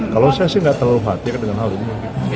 kalau saya sih nggak terlalu khawatir dengan hal ini